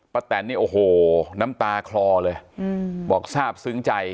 แตนนี่โอ้โหน้ำตาคลอเลยบอกทราบซึ้งใจ